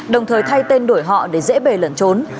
đồng thời thay tên đổi họ để dễ bề lẩn trốn